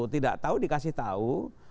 tidak tahu dikasih tahu